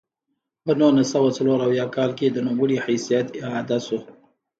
په نولس سوه څلور اویا کال کې د نوموړي حیثیت اعاده شو.